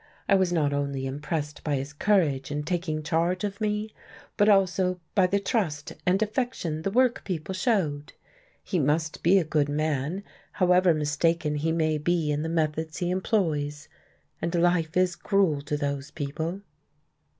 I was not only impressed by his courage in taking charge of me, but also by the trust and affection the work people showed. He must be a good man, however mistaken he may be in the methods he employs. And life is cruel to those people."